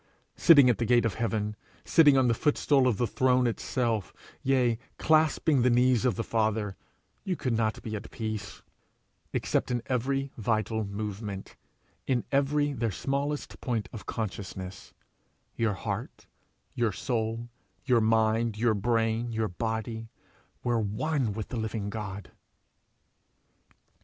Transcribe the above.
Sitting at the gate of heaven, sitting on the footstool of the throne itself, yea, clasping the knees of the Father, you could not be at peace, except in their every vital movement, in every their smallest point of consciousness, your heart, your soul, your mind, your brain, your body, were one with the living God.